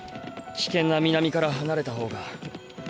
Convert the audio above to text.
危険な南から離れた方が。